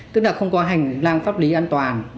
tức là không có hành lang pháp lý an toàn